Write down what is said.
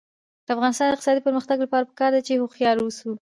د افغانستان د اقتصادي پرمختګ لپاره پکار ده چې هوښیار اوسو.